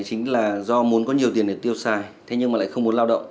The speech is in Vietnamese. chính là do muốn có nhiều tiền để tiêu sai nhưng không muốn lao động